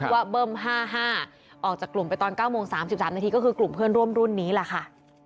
ว่าเบิ้ม๕๕ออกจากกลุ่มไปตอน๙โมง๓๓นาทีก็คือกลุ่มเพื่อนร่วมรุ่นนี้แหละค่ะ